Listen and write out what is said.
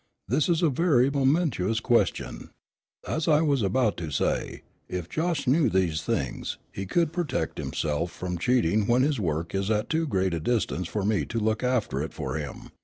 This is a very momentous question. As I was about to say, if Josh knew these things, he could protect himself from cheating when his work is at too great a distance for me to look after it for him."